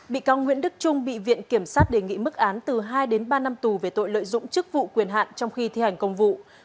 bị cáo nguyễn đức trung bị viện kiểm sát đề nghị mức án từ hai đến ba năm tù về tội lợi dụng chức vụ quyền hạn trong khi thi hành công vụ